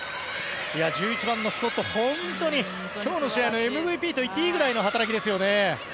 １１番のスコットは本当に今日の試合のＭＶＰといっていいぐらいの働きですよね。